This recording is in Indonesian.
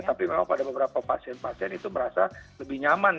tapi memang pada beberapa pasien pasien itu merasa lebih nyaman